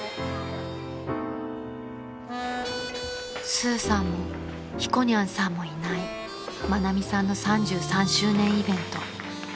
［スーさんもひこにゃんさんもいない愛美さんの３３周年イベント］